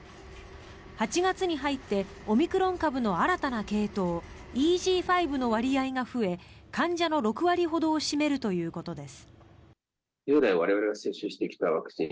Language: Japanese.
８月に入ってオミクロン株の新たな系統ＥＧ．５の割合が増え患者の６割ほどを占めるということです。